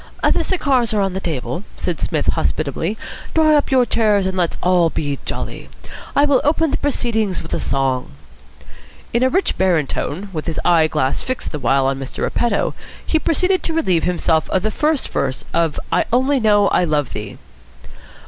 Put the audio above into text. "The cigars are on the table," said Psmith hospitably. "Draw up your chairs, and let's all be jolly. I will open the proceedings with a song." In a rich baritone, with his eyeglass fixed the while on Mr. Repetto, he proceeded to relieve himself of the first verse of "I only know I love thee."